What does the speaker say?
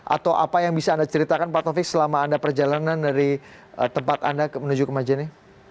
atau apa yang bisa anda ceritakan pak taufik selama anda perjalanan dari tempat anda menuju ke majene